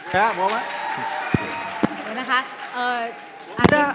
แพ้หรือเปล่า